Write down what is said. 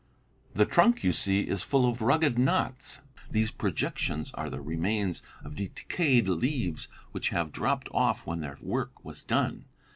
The trunk, you see, is full of rugged knots. These projections are the remains of decayed leaves which have dropped off when their work was done.